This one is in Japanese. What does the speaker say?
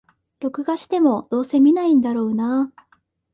録画しても、どうせ観ないんだろうなあ